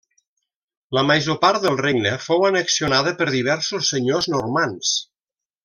La major part del regne fou annexionada per diversos senyors normands.